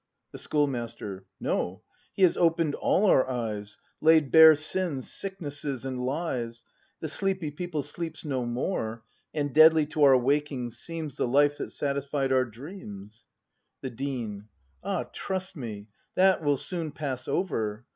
The Schoolmaster. No, he has open'd all our eyes. Laid bare sins, sicknesses, and lies; The sleepy people sleeps no more; And deadly to our waking seems The life that satisfied our dreams. The Dean. Ah, trust me, that will soon pass over.